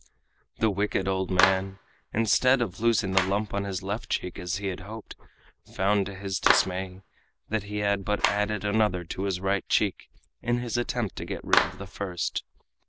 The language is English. The wicked old man, instead of losing the lump on his left cheek as he had hoped, found to his dismay that he had but added another to his right cheek in his attempt to get rid of the first.